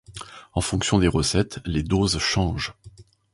En fonction des recettes, les doses changent.